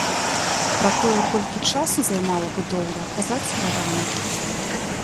Пра тое, колькі часу займала будоўля, казаць складана.